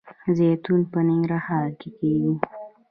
زیتون په ننګرهار کې کیږي